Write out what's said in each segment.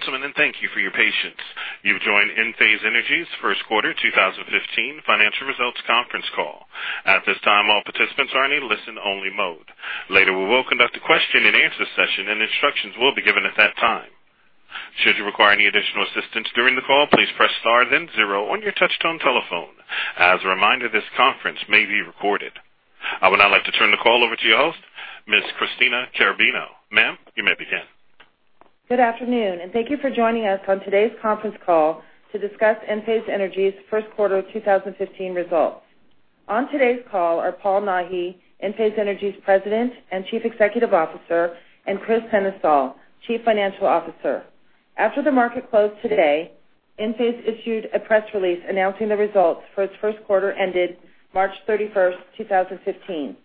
Good day, ladies and gentlemen. Thank you for your patience. You've joined Enphase Energy's first quarter 2015 financial results conference call. At this time, all participants are in a listen-only mode. Later, we will conduct a question-and-answer session, and instructions will be given at that time. Should you require any additional assistance during the call, please press star then zero on your touch-tone telephone. As a reminder, this conference may be recorded. I would now like to turn the call over to your host, Ms. Christina Carrabino. Ma'am, you may begin. Good afternoon. Thank you for joining us on today's conference call to discuss Enphase Energy's first quarter 2015 results. On today's call are Paul Nahi, Enphase Energy's President and Chief Executive Officer, and Kris Sennesael, Chief Financial Officer. After the market closed today, Enphase issued a press release announcing the results for its first quarter ended March 31st, 2015.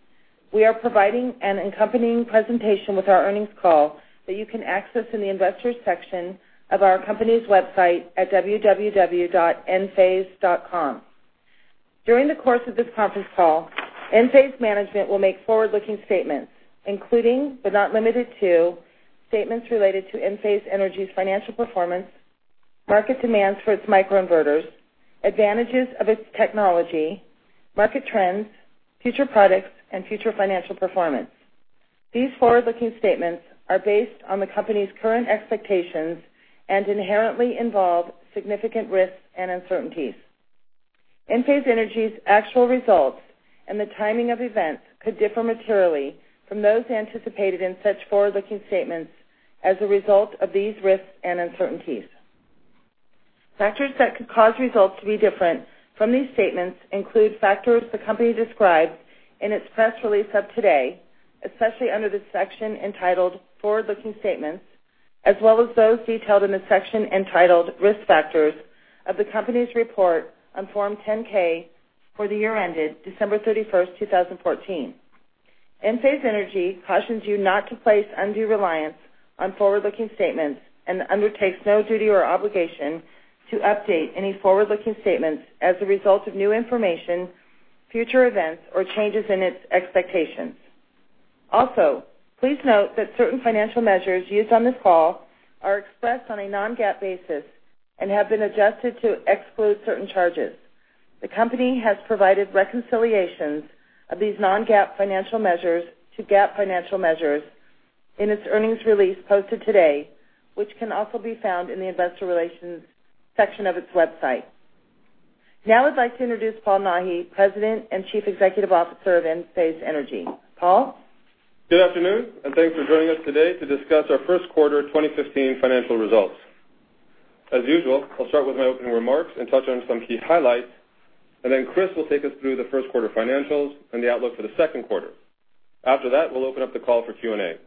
We are providing an accompanying presentation with our earnings call that you can access in the Investors section of our company's website at www.enphase.com. During the course of this conference call, Enphase management will make forward-looking statements, including, but not limited to, statements related to Enphase Energy's financial performance, market demands for its microinverters, advantages of its technology, market trends, future products, and future financial performance. These forward-looking statements are based on the company's current expectations and inherently involve significant risks and uncertainties. Enphase Energy's actual results and the timing of events could differ materially from those anticipated in such forward-looking statements as a result of these risks and uncertainties. Factors that could cause results to be different from these statements include factors the company described in its press release of today, especially under the section entitled Forward-Looking Statements, as well as those detailed in the section entitled Risk Factors of the company's report on Form 10-K for the year ended December 31st, 2014. Enphase Energy cautions you not to place undue reliance on forward-looking statements and undertakes no duty or obligation to update any forward-looking statements as a result of new information, future events, or changes in its expectations. Also, please note that certain financial measures used on this call are expressed on a non-GAAP basis and have been adjusted to exclude certain charges. The company has provided reconciliations of these non-GAAP financial measures to GAAP financial measures in its earnings release posted today, which can also be found in the Investor Relations section of its website. I'd like to introduce Paul Nahi, President and Chief Executive Officer of Enphase Energy. Paul? Good afternoon. Thanks for joining us today to discuss our first quarter 2015 financial results. As usual, I'll start with my opening remarks and touch on some key highlights. Then Kris will take us through the first quarter financials and the outlook for the second quarter. After that, we'll open up the call for Q&A.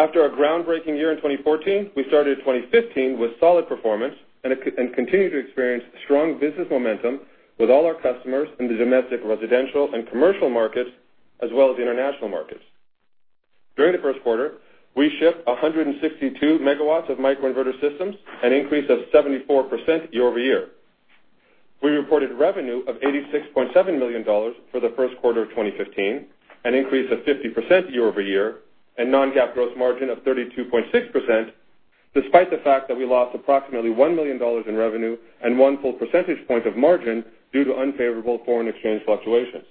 After our groundbreaking year in 2014, we started 2015 with solid performance and continue to experience strong business momentum with all our customers in the domestic, residential, and commercial markets, as well as the international markets. During the first quarter, we shipped 162 megawatts of microinverter systems, an increase of 74% year-over-year. We reported revenue of $86.7 million for the first quarter of 2015, an increase of 50% year-over-year, and non-GAAP gross margin of 32.6%, despite the fact that we lost approximately $1 million in revenue and one full percentage point of margin due to unfavorable foreign exchange fluctuations.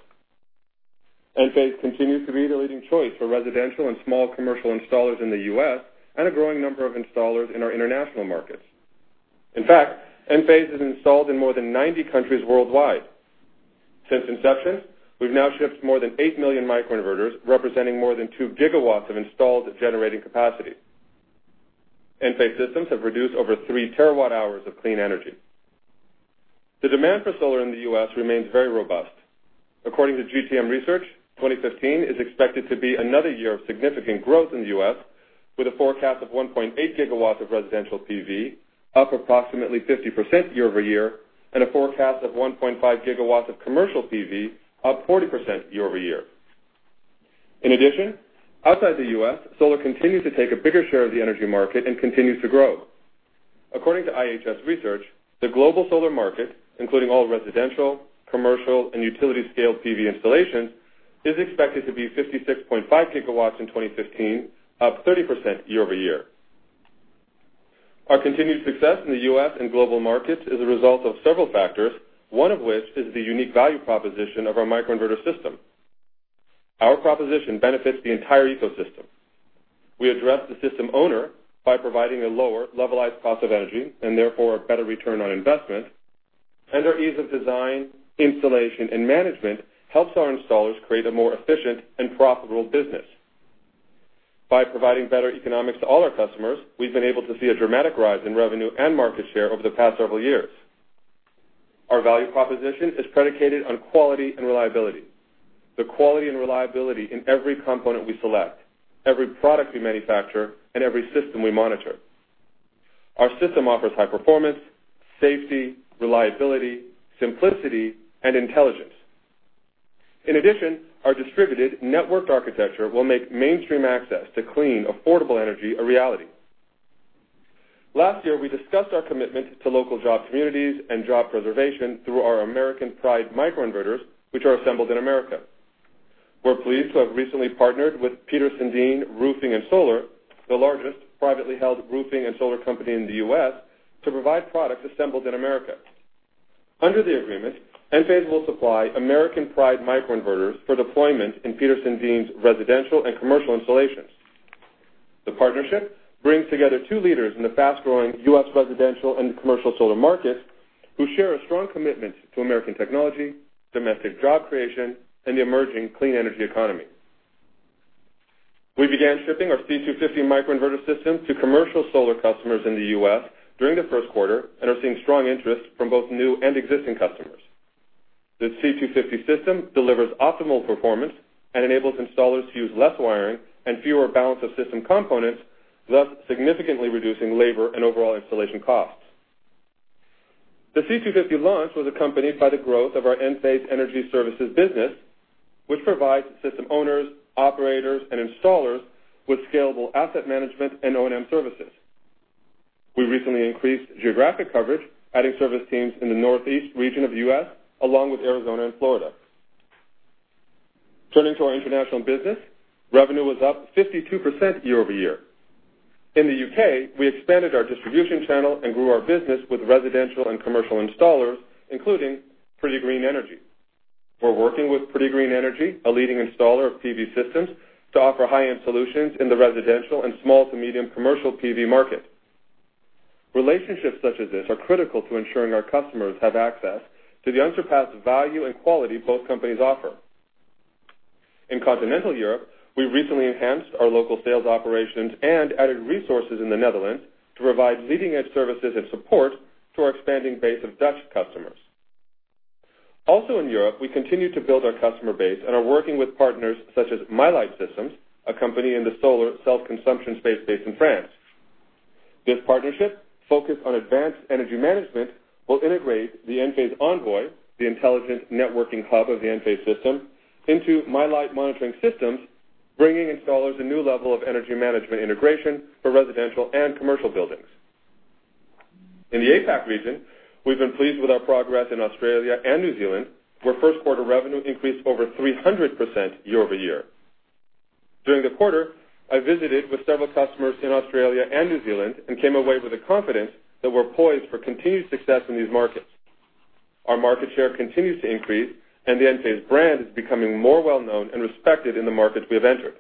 Enphase continues to be the leading choice for residential and small commercial installers in the U.S. and a growing number of installers in our international markets. In fact, Enphase is installed in more than 90 countries worldwide. Since inception, we've now shipped more than eight million microinverters, representing more than two gigawatts of installed generating capacity. Enphase systems have produced over three terawatt-hours of clean energy. The demand for solar in the U.S. remains very robust. According to GTM Research, 2015 is expected to be another year of significant growth in the U.S., with a forecast of 1.8 gigawatts of residential PV, up approximately 50% year-over-year, and a forecast of 1.5 gigawatts of commercial PV, up 40% year-over-year. In addition, outside the U.S., solar continues to take a bigger share of the energy market and continues to grow. According to IHS Research, the global solar market, including all residential, commercial, and utility-scale PV installations, is expected to be 56.5 gigawatts in 2015, up 30% year-over-year. Our continued success in the U.S. and global markets is a result of several factors, one of which is the unique value proposition of our microinverter system. Our proposition benefits the entire ecosystem. We address the system owner by providing a lower levelized cost of energy and therefore a better return on investment. Our ease of design, installation, and management helps our installers create a more efficient and profitable business. By providing better economics to all our customers, we've been able to see a dramatic rise in revenue and market share over the past several years. Our value proposition is predicated on quality and reliability, the quality and reliability in every component we select, every product we manufacture, and every system we monitor. Our system offers high performance, safety, reliability, simplicity, and intelligence. In addition, our distributed networked architecture will make mainstream access to clean, affordable energy a reality. Last year, we discussed our commitment to local job communities and job preservation through our American Pride microinverters, which are assembled in America. We're pleased to have recently partnered with Petersen-Dean Roofing and Solar, the largest privately held roofing and solar company in the U.S., to provide products assembled in America. Under the agreement, Enphase will supply American Pride microinverters for deployment in Petersen-Dean's residential and commercial installations. The partnership brings together two leaders in the fast-growing U.S. residential and commercial solar market who share a strong commitment to American technology, domestic job creation, and the emerging clean energy economy. We began shipping our C250 microinverter system to commercial solar customers in the U.S. during the first quarter and are seeing strong interest from both new and existing customers. The C250 system delivers optimal performance and enables installers to use less wiring and fewer balance of system components, thus significantly reducing labor and overall installation costs. The C250 launch was accompanied by the growth of our Enphase Energy Services business, which provides system owners, operators, and installers with scalable asset management and O&M services. We recently increased geographic coverage, adding service teams in the Northeast region of the U.S., along with Arizona and Florida. Turning to our international business, revenue was up 52% year-over-year. In the U.K., we expanded our distribution channel and grew our business with residential and commercial installers, including Pretty Green Energy. We're working with Pretty Green Energy, a leading installer of PV systems, to offer high-end solutions in the residential and small to medium commercial PV market. Relationships such as this are critical to ensuring our customers have access to the unsurpassed value and quality both companies offer. In Continental Europe, we recently enhanced our local sales operations and added resources in the Netherlands to provide leading-edge services and support to our expanding base of Dutch customers. Also in Europe, we continue to build our customer base and are working with partners such as MyLight Systems, a company in the solar self-consumption space based in France. This partnership, focused on advanced energy management, will integrate the Enphase Envoy, the intelligent networking hub of the Enphase system, into MyLight monitoring systems, bringing installers a new level of energy management integration for residential and commercial buildings. In the APAC region, we've been pleased with our progress in Australia and New Zealand, where first quarter revenue increased over 300% year-over-year. During the quarter, I visited with several customers in Australia and New Zealand and came away with the confidence that we're poised for continued success in these markets. Our market share continues to increase, and the Enphase brand is becoming more well-known and respected in the markets we have entered.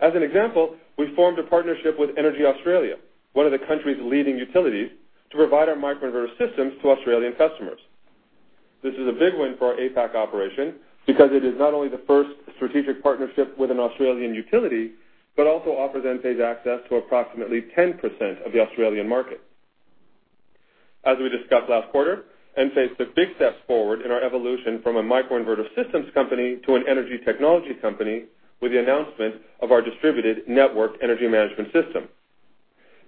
As an example, we formed a partnership with EnergyAustralia, one of the country's leading utilities, to provide our microinverter systems to Australian customers. This is a big win for our APAC operation because it is not only the first strategic partnership with an Australian utility, but also offers Enphase access to approximately 10% of the Australian market. As we discussed last quarter, Enphase took big steps forward in our evolution from a microinverter systems company to an energy technology company with the announcement of our distributed network energy management system.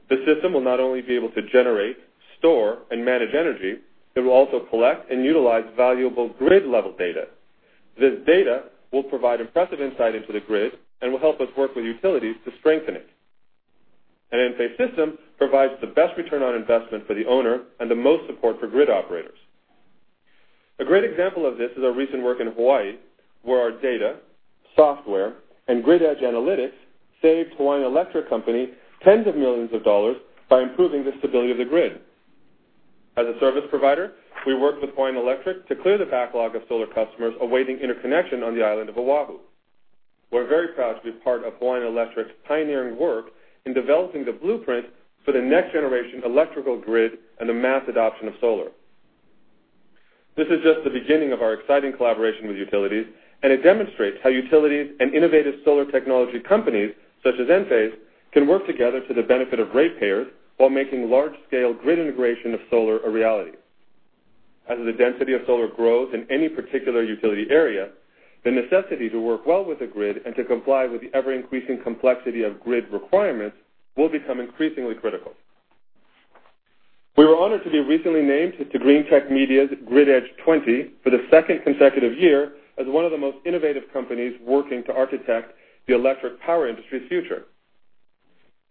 The system will not only be able to generate, store, and manage energy, it will also collect and utilize valuable grid-level data. This data will provide impressive insight into the grid and will help us work with utilities to strengthen it. An Enphase system provides the best return on investment for the owner and the most support for grid operators. A great example of this is our recent work in Hawaii, where our data, software, and grid edge analytics saved Hawaiian Electric Company tens of millions of dollars by improving the stability of the grid. As a service provider, we worked with Hawaiian Electric to clear the backlog of solar customers awaiting interconnection on the island of Oahu. We are very proud to be part of Hawaiian Electric's pioneering work in developing the blueprint for the next-generation electrical grid and the mass adoption of solar. This is just the beginning of our exciting collaboration with utilities, and it demonstrates how utilities and innovative solar technology companies such as Enphase can work together to the benefit of ratepayers while making large-scale grid integration of solar a reality. As the density of solar grows in any particular utility area, the necessity to work well with the grid and to comply with the ever-increasing complexity of grid requirements will become increasingly critical. We were honored to be recently named to Greentech Media's Grid Edge 20 for the second consecutive year as one of the most innovative companies working to architect the electric power industry's future.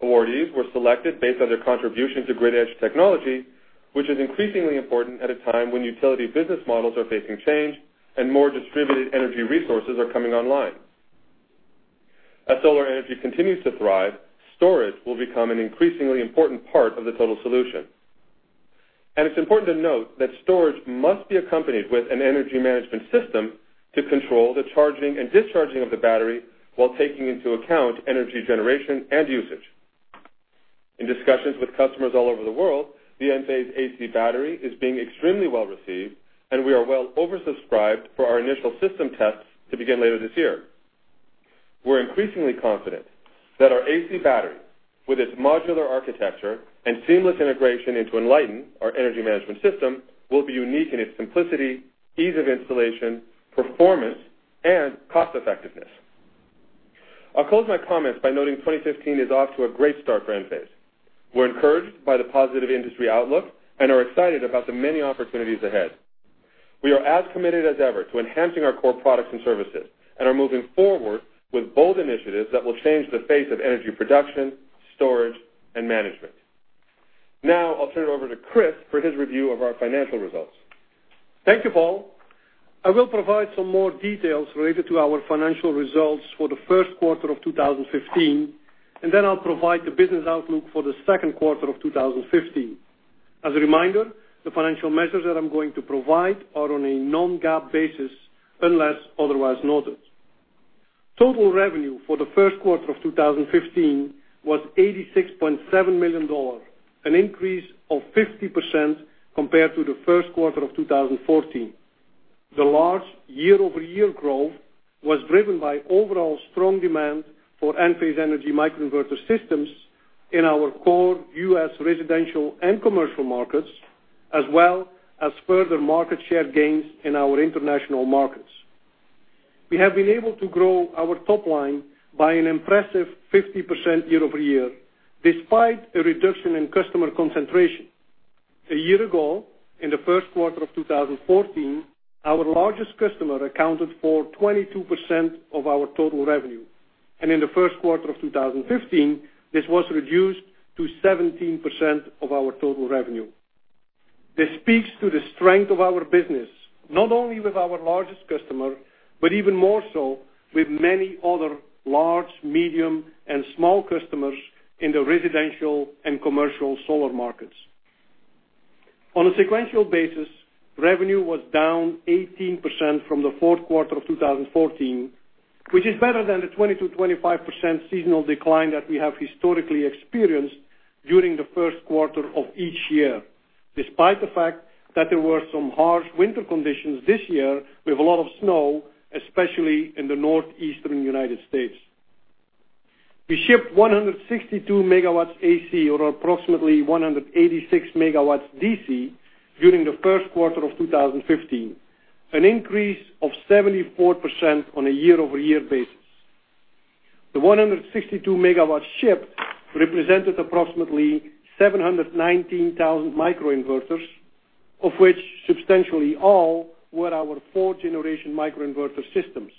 Awardees were selected based on their contribution to grid edge technology, which is increasingly important at a time when utility business models are facing change and more distributed energy resources are coming online. As solar energy continues to thrive, storage will become an increasingly important part of the total solution. It's important to note that storage must be accompanied with an energy management system to control the charging and discharging of the battery while taking into account energy generation and usage. In discussions with customers all over the world, the Enphase AC Battery is being extremely well-received, and we are well oversubscribed for our initial system tests to begin later this year. We are increasingly confident that our AC Battery, with its modular architecture and seamless integration into Enlighten, our energy management system, will be unique in its simplicity, ease of installation, performance, and cost-effectiveness. I will close my comments by noting 2015 is off to a great start for Enphase. We are encouraged by the positive industry outlook and are excited about the many opportunities ahead. We are as committed as ever to enhancing our core products and services and are moving forward with bold initiatives that will change the face of energy production, storage, and management. I will turn it over to Kris for his review of our financial results. Thank you, Paul. I will provide some more details related to our financial results for the first quarter of 2015, then I will provide the business outlook for the second quarter of 2015. As a reminder, the financial measures that I am going to provide are on a non-GAAP basis unless otherwise noted. Total revenue for the first quarter of 2015 was $86.7 million, an increase of 50% compared to the first quarter of 2014. The large year-over-year growth was driven by overall strong demand for Enphase Energy microinverter systems in our core U.S. residential and commercial markets, as well as further market share gains in our international markets. We have been able to grow our top line by an impressive 50% year-over-year, despite a reduction in customer concentration. A year ago, in the first quarter of 2014, our largest customer accounted for 22% of our total revenue, and in the first quarter of 2015, this was reduced to 17% of our total revenue. This speaks to the strength of our business, not only with our largest customer, but even more so with many other large, medium, and small customers in the residential and commercial solar markets. On a sequential basis, revenue was down 18% from the fourth quarter of 2014, which is better than the 20%-25% seasonal decline that we have historically experienced during the first quarter of each year, despite the fact that there were some harsh winter conditions this year with a lot of snow, especially in the Northeastern U.S. We shipped 162 megawatts AC, or approximately 186 megawatts DC during the first quarter of 2015, an increase of 74% on a year-over-year basis. The 162 megawatts shipped represented approximately 719,000 microinverters, of which substantially all were our fourth-generation microinverter systems.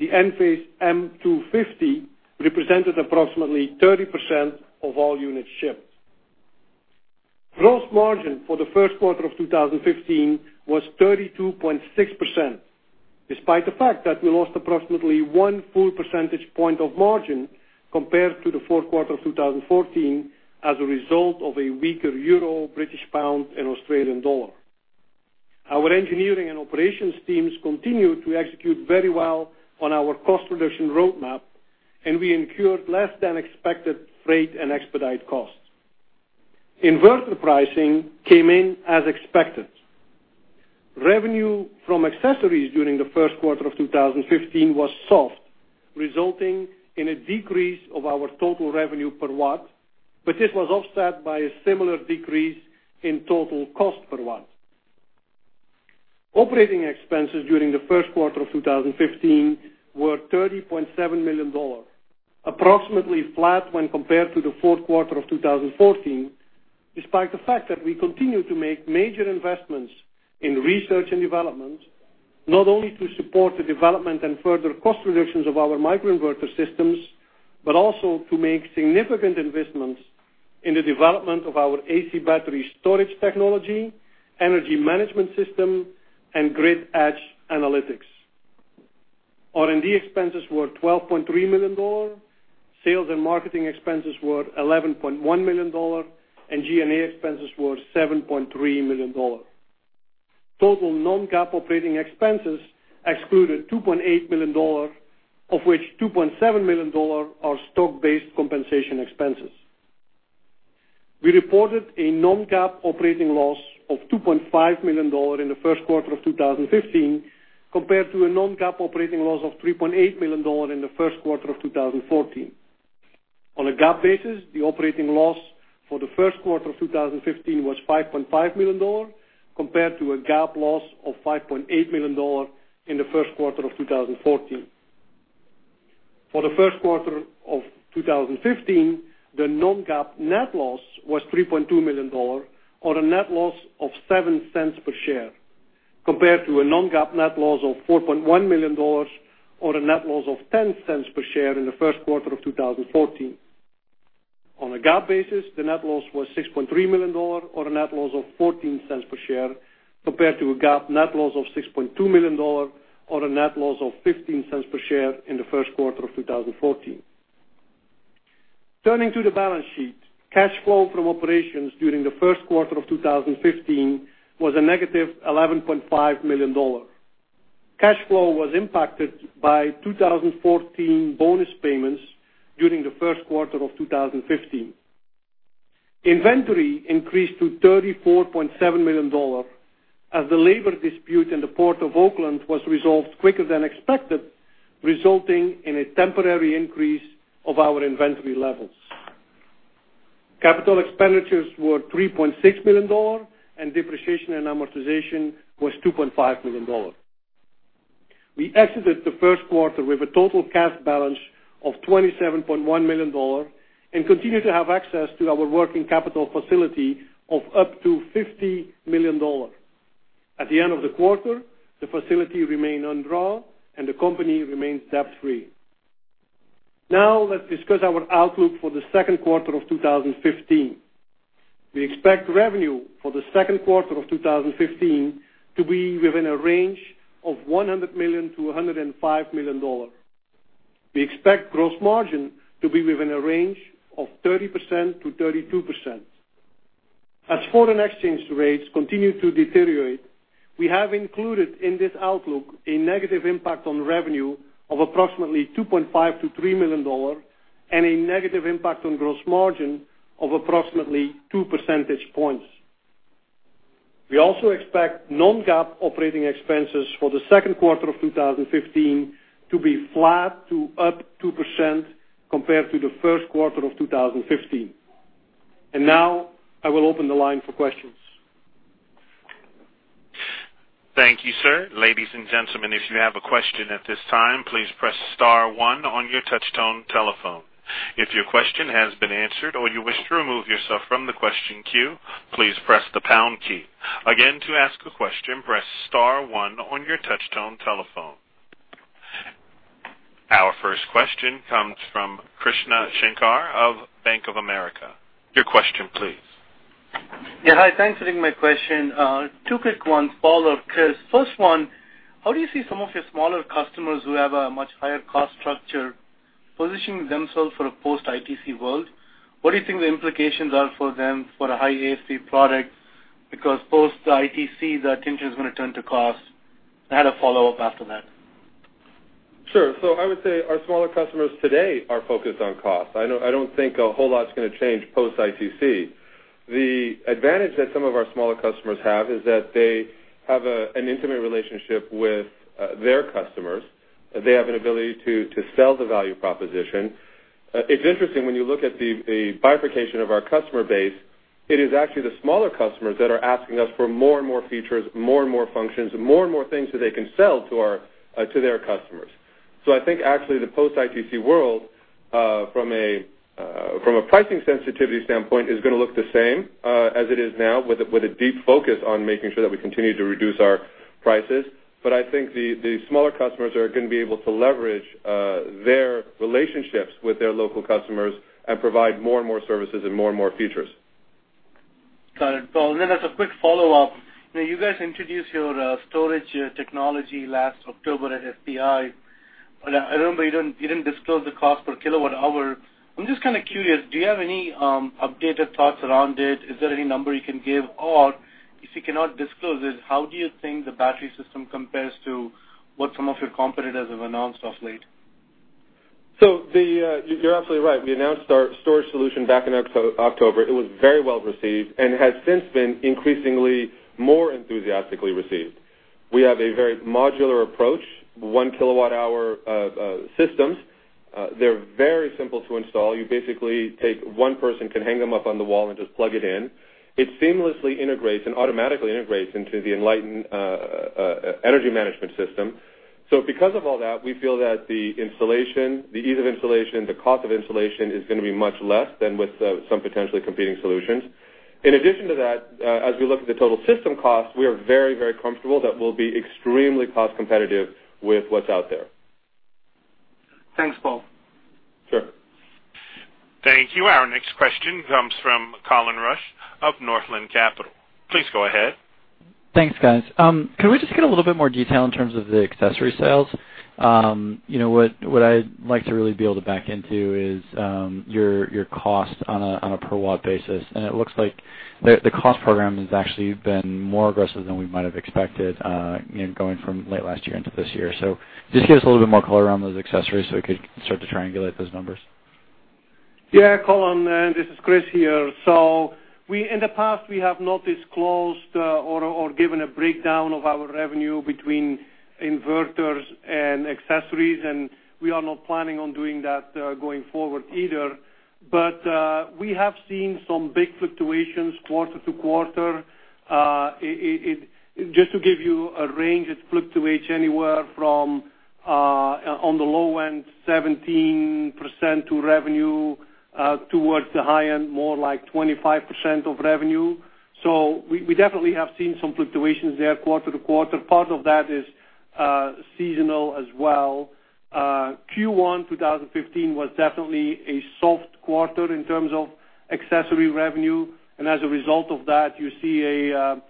The Enphase M250 represented approximately 30% of all units shipped. Gross margin for the first quarter of 2015 was 32.6%, despite the fact that we lost approximately one full percentage point of margin compared to the fourth quarter of 2014 as a result of a weaker euro, British pound, and Australian dollar. Our engineering and operations teams continued to execute very well on our cost reduction roadmap, and we incurred less than expected freight and expedite costs. Inverter pricing came in as expected. Revenue from accessories during the first quarter of 2015 was soft, resulting in a decrease of our total revenue per watt, but this was offset by a similar decrease in total cost per watt. Operating expenses during the first quarter of 2015 were $30.7 million, approximately flat when compared to the fourth quarter of 2014, despite the fact that we continue to make major investments in R&D, not only to support the development and further cost reductions of our microinverter systems, but also to make significant investments in the development of our AC Battery storage technology, energy management system, and grid edge analytics. R&D expenses were $12.3 million, sales and marketing expenses were $11.1 million, and G&A expenses were $7.3 million. Total non-GAAP operating expenses excluded $2.8 million, of which $2.7 million are stock-based compensation expenses. We reported a non-GAAP operating loss of $2.5 million in the first quarter of 2015, compared to a non-GAAP operating loss of $3.8 million in the first quarter of 2014. On a GAAP basis, the operating loss for the first quarter of 2015 was $5.5 million, compared to a GAAP loss of $5.8 million in the first quarter of 2014. For the first quarter of 2015, the non-GAAP net loss was $3.2 million, or a net loss of $0.07 per share, compared to a non-GAAP net loss of $4.1 million, or a net loss of $0.10 per share in the first quarter of 2014. On a GAAP basis, the net loss was $6.3 million, or a net loss of $0.14 per share, compared to a GAAP net loss of $6.2 million, or a net loss of $0.15 per share in the first quarter of 2014. Turning to the balance sheet, cash flow from operations during the first quarter of 2015 was a negative $11.5 million. Cash flow was impacted by 2014 bonus payments during the first quarter of 2015. Inventory increased to $34.7 million as the labor dispute in the Port of Oakland was resolved quicker than expected, resulting in a temporary increase of our inventory levels. Capital expenditures were $3.6 million, and depreciation and amortization was $2.5 million. We exited the first quarter with a total cash balance of $27.1 million and continue to have access to our working capital facility of up to $50 million. At the end of the quarter, the facility remained undrawn and the company remains debt-free. Let's discuss our outlook for the second quarter of 2015. We expect revenue for the second quarter of 2015 to be within a range of $100 million to $105 million. We expect gross margin to be within a range of 30%-32%. As foreign exchange rates continue to deteriorate, we have included in this outlook a negative impact on revenue of approximately $2.5 million-$3 million and a negative impact on gross margin of approximately two percentage points. We also expect non-GAAP operating expenses for the second quarter of 2015 to be flat to up 2% compared to the first quarter of 2015. Now I will open the line for questions. Thank you, sir. Ladies and gentlemen, if you have a question at this time, please press *1 on your touch-tone telephone. If your question has been answered or you wish to remove yourself from the question queue, please press the # key. Again, to ask a question, press *1 on your touch-tone telephone. Our first question comes from Krish Sankar of Bank of America. Your question, please. Hi. Thanks for taking my question. Two quick ones, Paul or Kris. First one, how do you see some of your smaller customers who have a much higher cost structure positioning themselves for a post-ITC world? What do you think the implications are for them for a high ASP product? Because post-ITC, the attention is going to turn to cost. I had a follow-up after that. I would say our smaller customers today are focused on cost. I don't think a whole lot's going to change post-ITC. The advantage that some of our smaller customers have is that they have an intimate relationship with their customers. They have an ability to sell the value proposition. It's interesting when you look at the bifurcation of our customer base, it is actually the smaller customers that are asking us for more and more features, more and more functions, and more and more things that they can sell to their customers. I think actually the post-ITC world, from a pricing sensitivity standpoint, is going to look the same as it is now, with a deep focus on making sure that we continue to reduce our prices. I think the smaller customers are going to be able to leverage their relationships with their local customers and provide more and more services and more and more features. Got it, Paul. As a quick follow-up, you guys introduced your storage technology last October at SPI. I remember you didn't disclose the cost per kilowatt hour. I'm just curious, do you have any updated thoughts around it? Is there any number you can give? If you cannot disclose it, how do you think the battery system compares to what some of your competitors have announced of late? You're absolutely right. We announced our storage solution back in October. It was very well received and has since been increasingly more enthusiastically received. We have a very modular approach, one kilowatt hour systems. They're very simple to install. You basically take one person, can hang them up on the wall, and just plug it in. It seamlessly integrates and automatically integrates into the Enlighten energy management system. Because of all that, we feel that the ease of installation, the cost of installation is going to be much less than with some potentially competing solutions. In addition to that, as we look at the total system cost, we are very, very comfortable that we'll be extremely cost-competitive with what's out there. Thanks, Paul. Sure. Thank you. Our next question comes from Colin Rusch of Northland Capital. Please go ahead. Thanks, guys. Can we just get a little bit more detail in terms of the accessory sales? What I'd like to really be able to back into is your cost on a per-watt basis. It looks like the cost program has actually been more aggressive than we might have expected, going from late last year into this year. Just give us a little bit more color around those accessories so we could start to triangulate those numbers. Yeah, Colin, this is Kris here. In the past, we have not disclosed or given a breakdown of our revenue between inverters and accessories, and we are not planning on doing that going forward either. We have seen some big fluctuations quarter to quarter. Just to give you a range, it fluctuates anywhere from, on the low end, 17% to revenue, towards the high end, more like 25% of revenue. We definitely have seen some fluctuations there quarter to quarter. Part of that is seasonal as well. Q1 2015 was definitely a soft quarter in terms of accessory revenue. As a result of that, you see a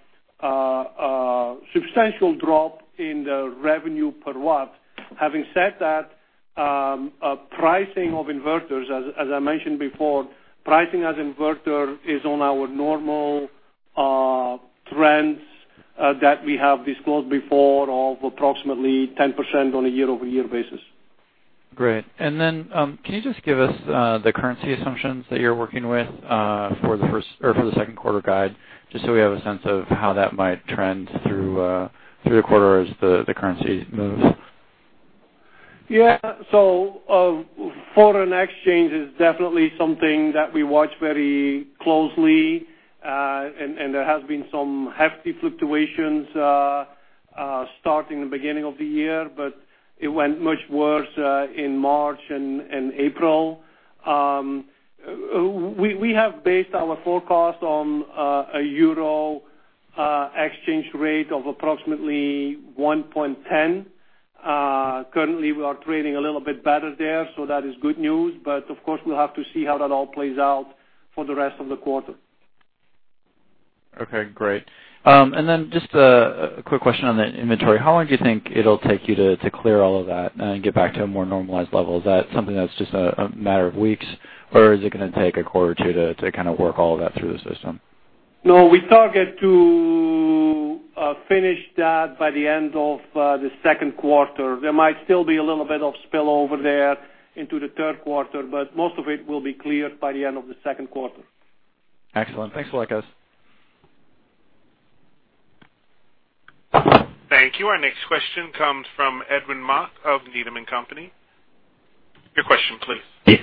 substantial drop in the revenue per watt. Having said that, pricing of inverters, as I mentioned before, pricing as inverter is on our normal trends that we have disclosed before of approximately 10% on a year-over-year basis. Can you just give us the currency assumptions that you're working with for the second quarter guide, just so we have a sense of how that might trend through the quarter as the currency moves? Foreign exchange is definitely something that we watch very closely. There has been some hefty fluctuations, starting the beginning of the year, it went much worse in March and April. We have based our forecast on a euro exchange rate of approximately 1.10. Currently, we are trading a little bit better there, that is good news. Of course, we'll have to see how that all plays out for the rest of the quarter. Just a quick question on the inventory. How long do you think it'll take you to clear all of that and get back to a more normalized level? Is that something that's just a matter of weeks, or is it going to take a quarter or two to, kind of, work all of that through the system? We target to finish that by the end of the second quarter. There might still be a little bit of spillover there into the third quarter, most of it will be cleared by the end of the second quarter. Excellent. Thanks a lot, guys. Thank you. Our next question comes from Edwin Mok of Needham & Company. Your question please.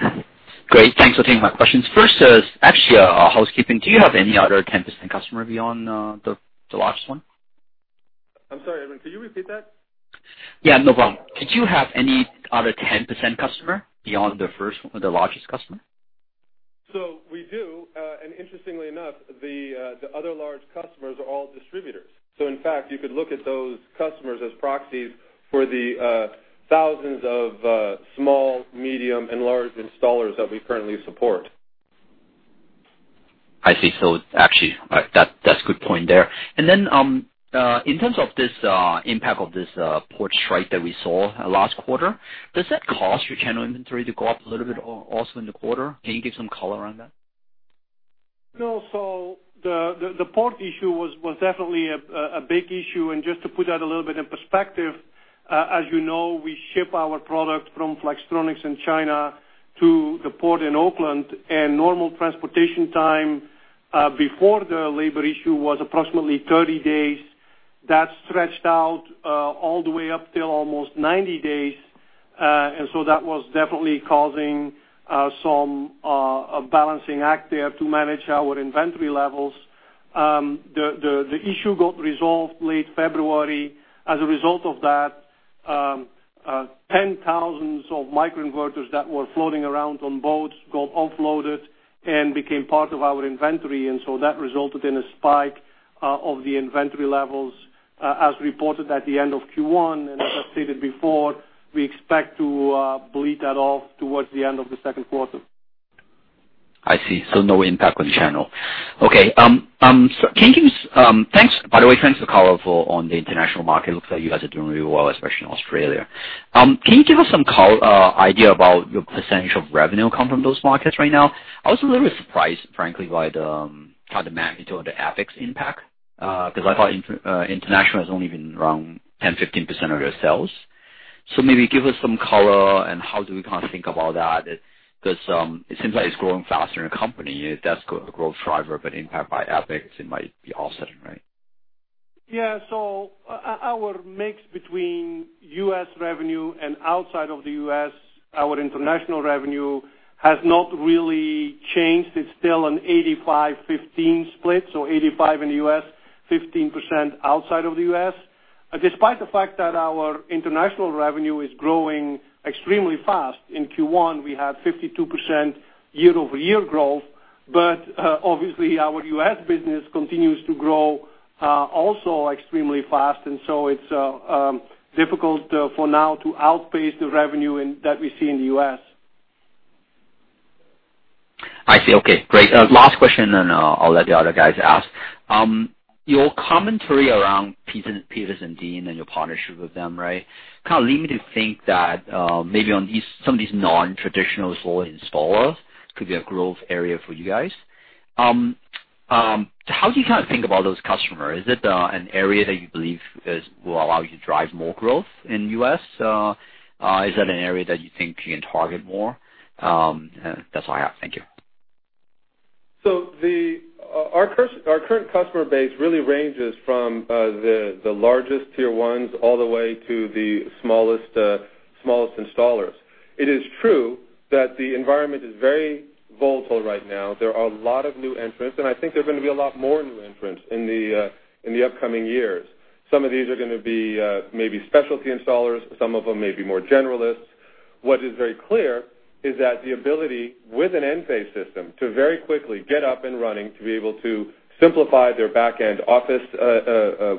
Great. Thanks for taking my questions. First is actually a housekeeping. Do you have any other 10% customer beyond the largest one? I'm sorry, Edwin, could you repeat that? Yeah, no problem. Did you have any other 10% customer beyond the first, the largest customer? We do, interestingly enough, the other large customers are all distributors. In fact, you could look at those customers as proxies for the thousands of small, medium, and large installers that we currently support. I see. Actually, that's a good point there. Then, in terms of this impact of this port strike that we saw last quarter, does that cause your channel inventory to go up a little bit also in the quarter? Can you give some color on that? No. The port issue was definitely a big issue. Just to put that a little bit in perspective, as you know, we ship our product from Flextronics in China to the port in Oakland. Normal transportation time, before the labor issue, was approximately 30 days. That stretched out all the way up till almost 90 days. That was definitely causing some balancing act there to manage our inventory levels. The issue got resolved late February. As a result of that, 10,000s of microinverters that were floating around on boats got offloaded and became part of our inventory, and so that resulted in a spike of the inventory levels, as reported at the end of Q1. As I stated before, we expect to bleed that off towards the end of the second quarter. No impact on the channel. Okay. By the way, thanks for color on the international market. Looks like you guys are doing really well, especially in Australia. Can you give us some idea about your percentage of revenue come from those markets right now? I was a little bit surprised, frankly, by the magnitude of the FX's impact, because I thought international has only been around 10, 15% of your sales. Maybe give us some color and how do we kind of think about that? Because it seems like it's growing faster in a company. That's a growth driver, but impact by FX, it might be offsetting, right? Yeah. Our mix between U.S. revenue and outside of the U.S., our international revenue, has not really changed. It's still an 85, 15 split, 85 in the U.S., 15% outside of the U.S. Despite the fact that our international revenue is growing extremely fast, in Q1, we had 52% year-over-year growth. Obviously, our U.S. business continues to grow, also extremely fast. It's difficult for now to outpace the revenue that we see in the U.S. I see. Okay, great. Last question, and then I'll let the other guys ask. Your commentary around PetersenDean and your partnership with them, right? Kind of lead me to think that, maybe on some of these non-traditional solar installers could be a growth area for you guys. How do you kind of think about those customers? Is it an area that you believe will allow you to drive more growth in U.S.? Is that an area that you think you can target more? That's all I have. Thank you. Our current customer base really ranges from the largest tier 1s all the way to the smallest installers. It is true that the environment is very volatile right now. There are a lot of new entrants, and I think there are going to be a lot more new entrants in the upcoming years. Some of these are going to be maybe specialty installers. Some of them may be more generalists. What is very clear is that the ability with an Enphase system to very quickly get up and running, to be able to simplify their back-end office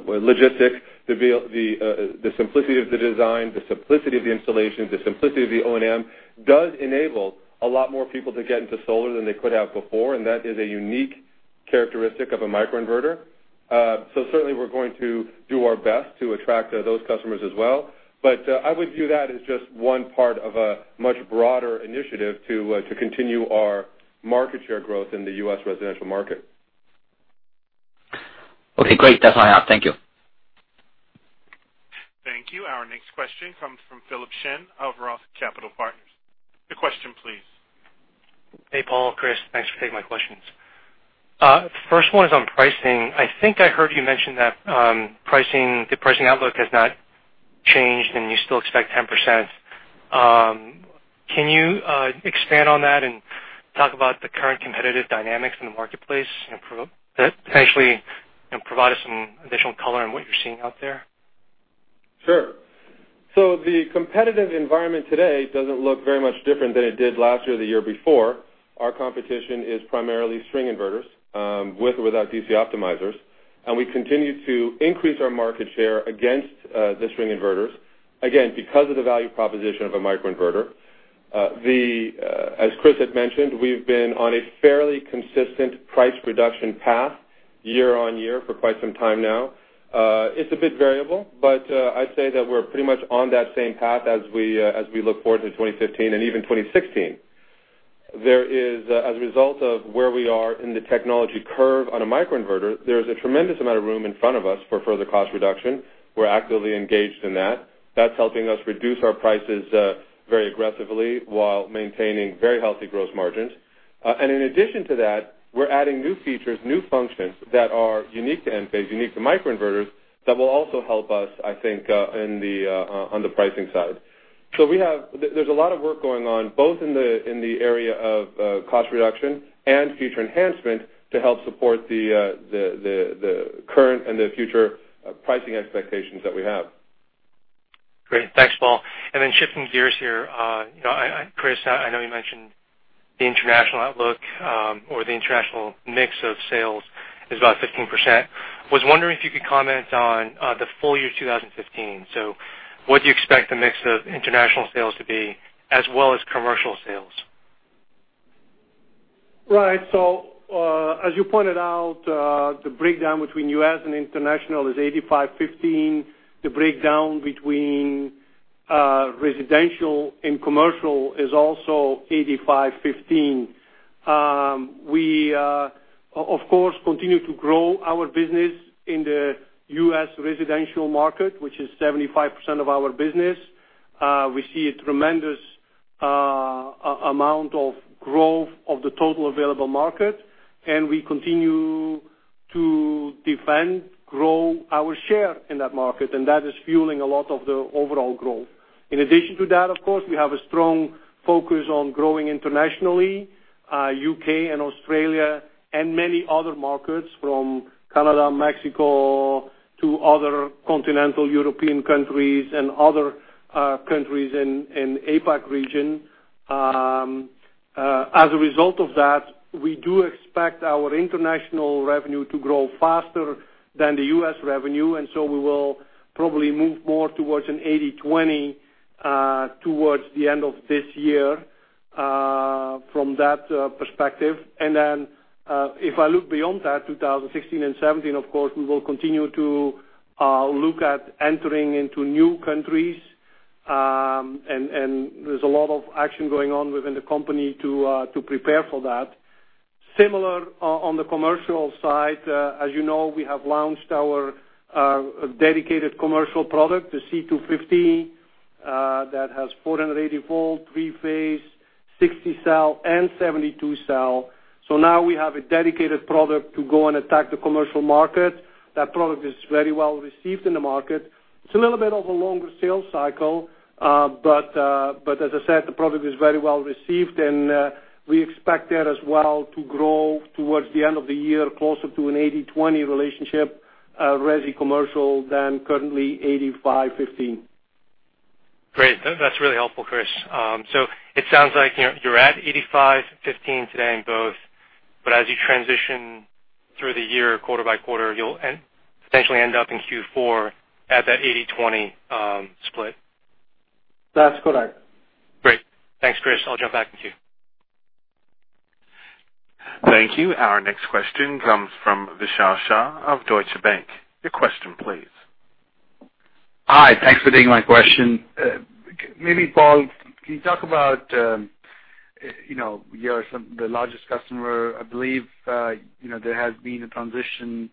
logistics, the simplicity of the design, the simplicity of the installation, the simplicity of the O&M does enable a lot more people to get into solar than they could have before, and that is a unique characteristic of a microinverter. Certainly we're going to do our best to attract those customers as well. I would view that as just one part of a much broader initiative to continue our market share growth in the U.S. residential market. Okay, great. That's all I have. Thank you. Thank you. Our next question comes from Philip Shen of ROTH Capital Partners. Your question, please. Hey, Paul, Kris. Thanks for taking my questions. First one is on pricing. I think I heard you mention that the pricing outlook has not changed, and you still expect 10%. Can you expand on that and talk about the current competitive dynamics in the marketplace? Potentially, provide us some additional color on what you're seeing out there. Sure. The competitive environment today doesn't look very much different than it did last year or the year before. Our competition is primarily string inverters, with or without DC optimizers. We continue to increase our market share against the string inverters. Again, because of the value proposition of a microinverter. As Kris had mentioned, we've been on a fairly consistent price reduction path year-on-year for quite some time now. It's a bit variable, but I'd say that we're pretty much on that same path as we look forward to 2015 and even 2016. As a result of where we are in the technology curve on a microinverter, there is a tremendous amount of room in front of us for further cost reduction. We're actively engaged in that. That's helping us reduce our prices very aggressively while maintaining very healthy gross margins. In addition to that, we're adding new features, new functions that are unique to Enphase, unique to microinverters, that will also help us, I think, on the pricing side. There's a lot of work going on, both in the area of cost reduction and future enhancement to help support the current and the future pricing expectations that we have. Great. Thanks, Paul. Shifting gears here. Kris, I know you mentioned the international outlook, or the international mix of sales is about 15%. Was wondering if you could comment on the full year 2015. What do you expect the mix of international sales to be as well as commercial sales? Right. As you pointed out, the breakdown between U.S. and international is 85/15. The breakdown between residential and commercial is also 85/15. We, of course, continue to grow our business in the U.S. residential market, which is 75% of our business. We see a tremendous amount of growth of the total available market, and we continue to defend, grow our share in that market, and that is fueling a lot of the overall growth. In addition to that, of course, we have a strong focus on growing internationally, U.K. and Australia, and many other markets from Canada, Mexico, to other continental European countries and other countries in APAC region. As a result of that, we do expect our international revenue to grow faster than the U.S. revenue, and so we will probably move more towards an 80/20 towards the end of this year, from that perspective. If I look beyond that, 2016 and 2017, of course, we will continue to look at entering into new countries. There's a lot of action going on within the company to prepare for that. Similar, on the commercial side, as you know, we have launched our dedicated commercial product, the C250, that has 480 volt, 3 phase, 60 cell and 72 cell. Now we have a dedicated product to go and attack the commercial market. That product is very well received in the market. It's a little bit of a longer sales cycle. As I said, the product is very well received and, we expect that as well to grow towards the end of the year, closer to an 80/20 relationship, resi commercial, than currently 85/15. Great. That's really helpful, Kris. It sounds like, you're at 85/15 today in both, but as you transition through the year quarter by quarter, you'll potentially end up in Q4 at that 80/20 split. That's correct. Great. Thanks, Kris. I'll jump back in the queue. Thank you. Our next question comes from Vishal Shah of Deutsche Bank. Your question please. Hi. Thanks for taking my question. Maybe, Paul, can you talk about your largest customer, I believe, there has been a transition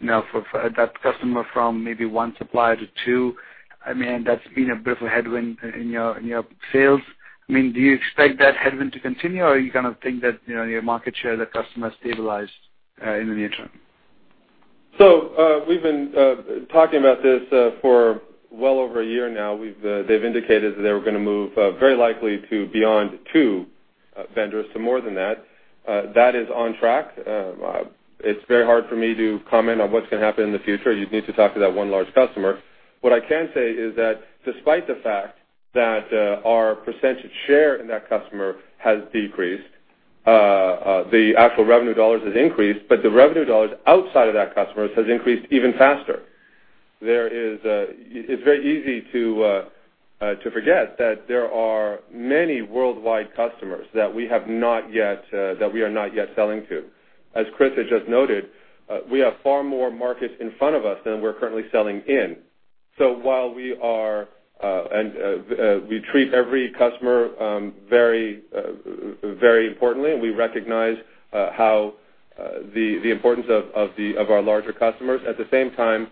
now for that customer from maybe one supplier to two. I mean, that's been a bit of a headwind in your sales. I mean, do you expect that headwind to continue, or you kind of think that your market share the customer stabilize in the near term? We've been talking about this for well over one year now. They've indicated that they were gonna move very likely to beyond two vendors, more than that. That is on track. It's very hard for me to comment on what's gonna happen in the future. You'd need to talk to that one large customer. What I can say is that despite the fact that our percentage share in that customer has decreased, the actual revenue dollars has increased, but the revenue dollars outside of that customer has increased even faster. It's very easy to forget that there are many worldwide customers that we are not yet selling to. As Kris has just noted, we have far more markets in front of us than we're currently selling in. While we treat every customer very importantly, and we recognize The importance of our larger customers. At the same time,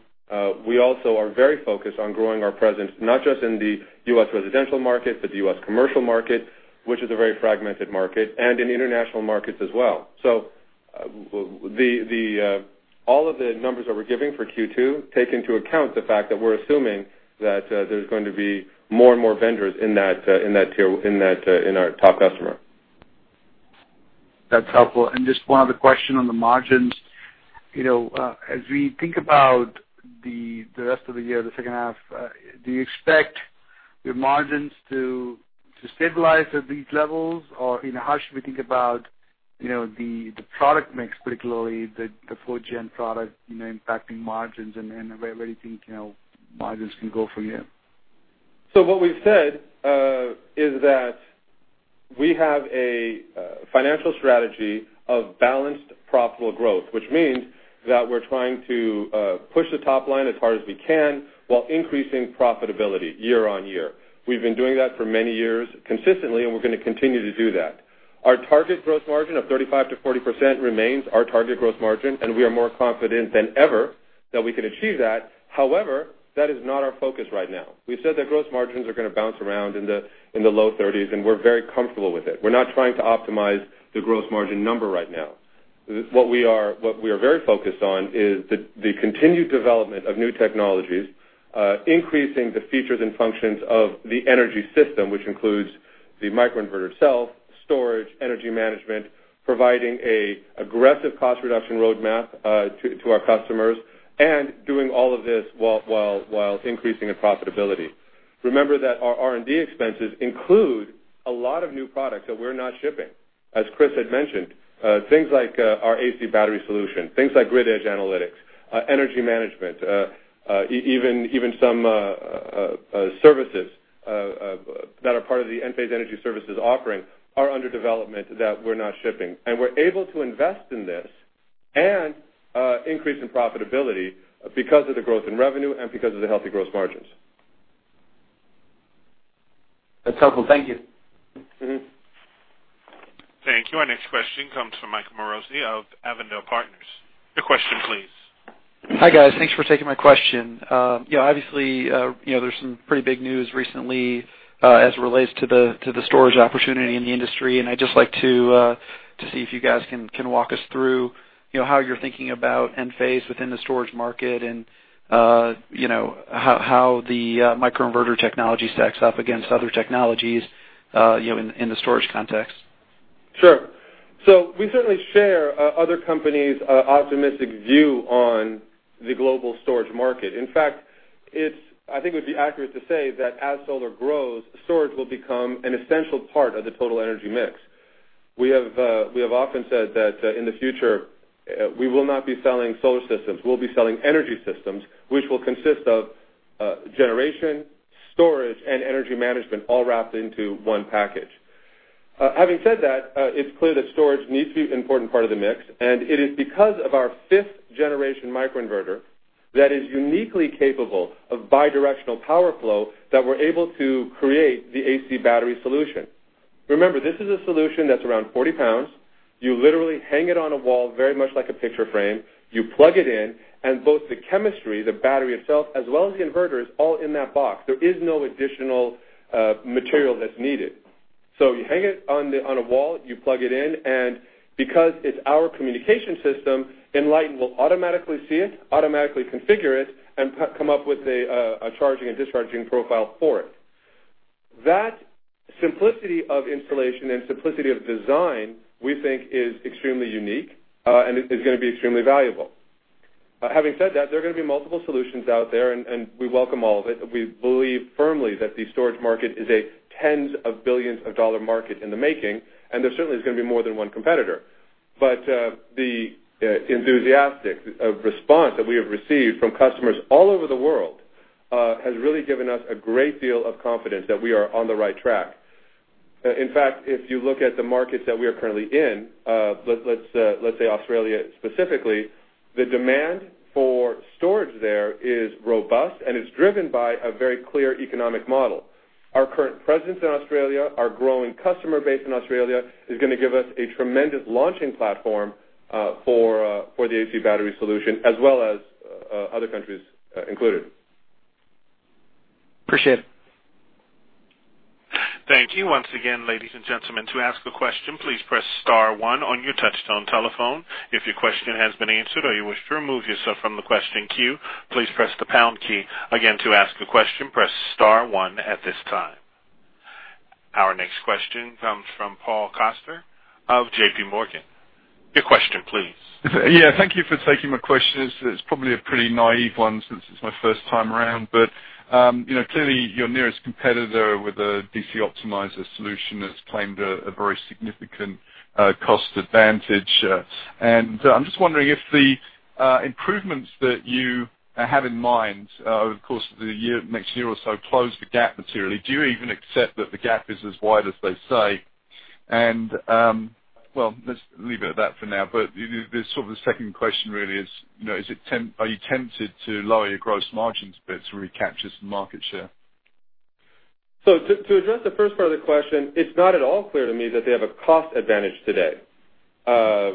we also are very focused on growing our presence, not just in the U.S. residential market, but the U.S. commercial market, which is a very fragmented market, and in international markets as well. All of the numbers that we're giving for Q2 take into account the fact that we're assuming that there's going to be more and more vendors in our top customer. That's helpful. Just one other question on the margins. As we think about the rest of the year, the second half, do you expect your margins to stabilize at these levels? Or how should we think about the product mix, particularly the 4-gen product impacting margins, and where do you think margins can go from here? What we've said is that we have a financial strategy of balanced, profitable growth, which means that we're trying to push the top line as hard as we can while increasing profitability year-on-year. We've been doing that for many years consistently, and we're going to continue to do that. Our target gross margin of 35%-40% remains our target gross margin, and we are more confident than ever that we can achieve that. However, that is not our focus right now. We've said that gross margins are going to bounce around in the low 30s, and we're very comfortable with it. We're not trying to optimize the gross margin number right now. What we are very focused on is the continued development of new technologies, increasing the features and functions of the energy system, which includes the microinverter itself, storage, energy management, providing an aggressive cost reduction roadmap to our customers, and doing all of this while increasing the profitability. Remember that our R&D expenses include a lot of new products that we're not shipping. As Kris had mentioned, things like our AC Battery solution, things like Grid Edge analytics, energy management, even some services that are part of the Enphase Energy Services offering are under development that we're not shipping. We're able to invest in this and increase in profitability because of the growth in revenue and because of the healthy gross margins. That's helpful. Thank you. Thank you. Our next question comes from Michael Morosi of Avondale Partners. Your question, please. Hi, guys. Thanks for taking my question. Obviously, there's some pretty big news recently as it relates to the storage opportunity in the industry, I'd just like to see if you guys can walk us through how you're thinking about Enphase within the storage market and how the microinverter technology stacks up against other technologies in the storage context. Sure. We certainly share other companies' optimistic view on the global storage market. In fact, I think it would be accurate to say that as solar grows, storage will become an essential part of the total energy mix. We have often said that in the future, we will not be selling solar systems, we'll be selling energy systems, which will consist of generation, storage, and energy management all wrapped into one package. Having said that, it's clear that storage needs to be an important part of the mix, it is because of our 5th-generation microinverter that is uniquely capable of bidirectional power flow that we're able to create the AC Battery solution. Remember, this is a solution that's around 40 pounds. You literally hang it on a wall very much like a picture frame. You plug it in, both the chemistry, the battery itself, as well as the inverter, is all in that box. There is no additional material that's needed. You hang it on a wall, you plug it in, because it's our communication system, Enlighten will automatically see it, automatically configure it, and come up with a charging and discharging profile for it. That simplicity of installation and simplicity of design, we think, is extremely unique and is going to be extremely valuable. Having said that, there are going to be multiple solutions out there, we welcome all of it. We believe firmly that the storage market is a tens of billions of dollar market in the making, there certainly is going to be more than one competitor. The enthusiastic response that we have received from customers all over the world has really given us a great deal of confidence that we are on the right track. In fact, if you look at the markets that we are currently in, let's say Australia specifically, the demand for storage there is robust, and it's driven by a very clear economic model. Our current presence in Australia, our growing customer base in Australia, is going to give us a tremendous launching platform for the AC battery solution as well as other countries included. Appreciate it. Thank you. Once again, ladies and gentlemen, to ask a question, please press star one on your touchtone telephone. If your question has been answered or you wish to remove yourself from the question queue, please press the pound key. Again, to ask a question, press star one at this time. Our next question comes from Paul Coster of J.P. Morgan. Your question, please. Thank you for taking my question. It's probably a pretty naive one since it's my first time around. Clearly, your nearest competitor with a DC optimizer solution has claimed a very significant cost advantage. I'm just wondering if the improvements that you have in mind over the course of the next year or so close the gap materially. Do you even accept that the gap is as wide as they say? Well, let's leave it at that for now. The second question really is, are you tempted to lower your gross margins a bit to recapture some market share? To address the first part of the question, it's not at all clear to me that they have a cost advantage today. I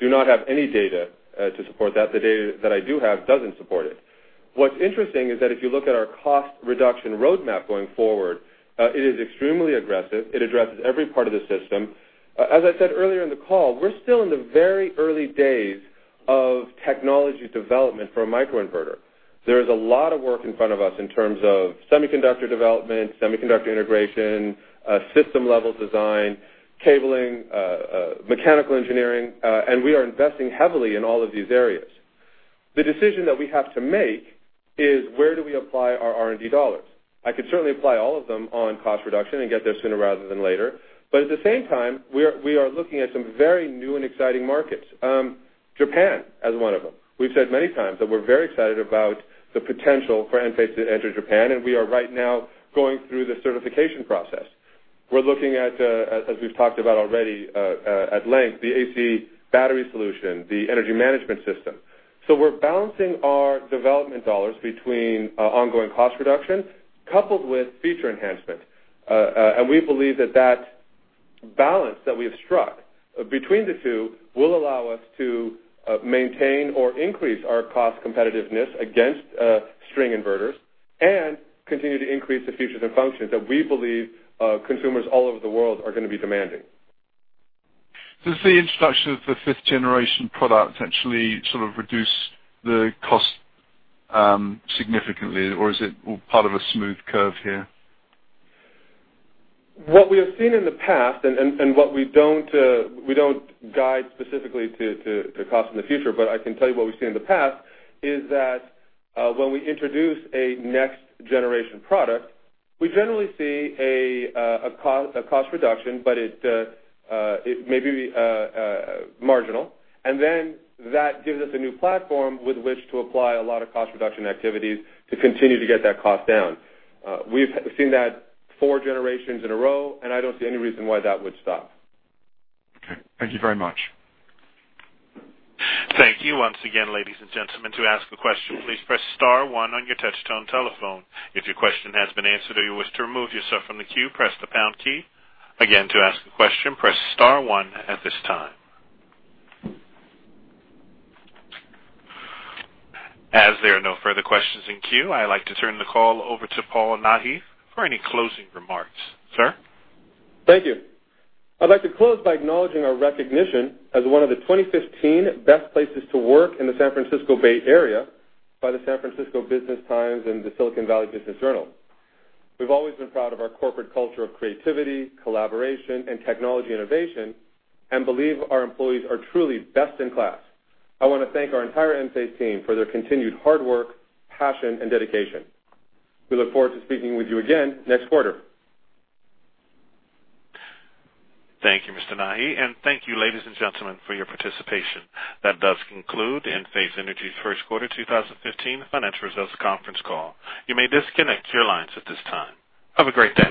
do not have any data to support that. The data that I do have doesn't support it. What's interesting is that if you look at our cost reduction roadmap going forward, it is extremely aggressive. It addresses every part of the system. As I said earlier in the call, we're still in the very early days of technology development for a microinverter. There is a lot of work in front of us in terms of semiconductor development, semiconductor integration, system-level design, cabling, mechanical engineering, and we are investing heavily in all of these areas. The decision that we have to make is: where do we apply our R&D dollars? I could certainly apply all of them on cost reduction and get there sooner rather than later. At the same time, we are looking at some very new and exciting markets. Japan as one of them. We've said many times that we're very excited about the potential for Enphase to enter Japan, and we are right now going through the certification process. We're looking at, as we've talked about already at length, the AC battery solution, the energy management system. We're balancing our development dollars between ongoing cost reduction coupled with feature enhancement. We believe that that balance that we have struck between the two will allow us to maintain or increase our cost competitiveness against string inverters and continue to increase the features and functions that we believe consumers all over the world are going to be demanding. Does the introduction of the 5th-generation product actually sort of reduce the cost significantly, or is it all part of a smooth curve here? What we have seen in the past, what we don't guide specifically to cost in the future, but I can tell you what we've seen in the past, is that when we introduce a next-generation product, we generally see a cost reduction, but it may be marginal. That gives us a new platform with which to apply a lot of cost reduction activities to continue to get that cost down. We've seen that four generations in a row, and I don't see any reason why that would stop. Okay. Thank you very much. Thank you once again, ladies and gentlemen. To ask a question, please press star one on your touch-tone telephone. If your question has been answered or you wish to remove yourself from the queue, press the pound key. Again, to ask a question, press star one at this time. As there are no further questions in queue, I'd like to turn the call over to Paul Nahi for any closing remarks. Sir? Thank you. I'd like to close by acknowledging our recognition as one of the 2015 best places to work in the San Francisco Bay Area by the San Francisco Business Times and the Silicon Valley Business Journal. We've always been proud of our corporate culture of creativity, collaboration, and technology innovation and believe our employees are truly best in class. I want to thank our entire Enphase team for their continued hard work, passion, and dedication. We look forward to speaking with you again next quarter. Thank you, Mr. Nahi, and thank you, ladies and gentlemen, for your participation. That does conclude Enphase Energy's first quarter 2015 financial results conference call. You may disconnect your lines at this time. Have a great day.